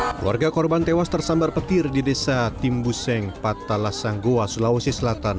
hai keluarga korban tewas tersambar petir di desa timbusing patalasanggoa sulawesi selatan